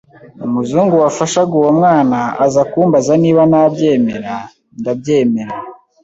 Umuzungu wafashaga uwo mwana aza kumbaza niba nabyemera? Ndabyemera.